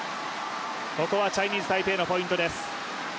ここはチャイニーズ・タイペイのポイント。